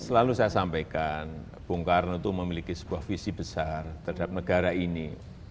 selalu saya sampaikan bung karno itu memiliki sebuah visi besar terhadap negara ini